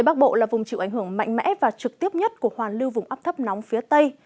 bắc bộ là vùng chịu ảnh hưởng mạnh mẽ và trực tiếp nhất của hoàn lưu vùng áp thấp nóng phía tây